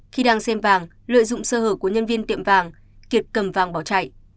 khi đang xem vàng lợi dụng sơ hở của nhân viên tiệm vàng kiệt cầm vàng bỏ chạy